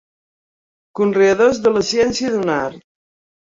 Conreadors de la ciència, d'un art.